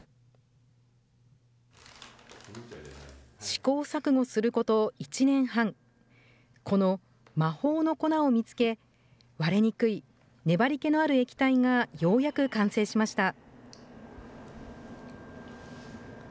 試行錯誤すること１年半、この、魔法の粉を見つけ、割れにくい粘り気のある液体がようやく完成しました。